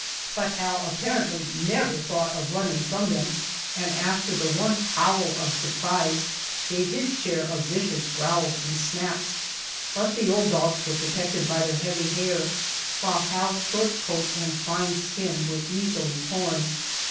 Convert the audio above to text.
But Hal apparently never thought of running from them, and after the one howl of surprise gave his share of vicious growls and snaps. But the old dogs were protected by their heavy hair, while Hal's short coat and fine skin were easily torn.